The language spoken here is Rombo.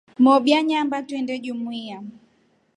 Mobya naamba tuinde jumuiya.